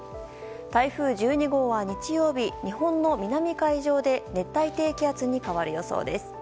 台風１２号は、日曜日日本の南海上で熱帯低気圧に変わる予想です。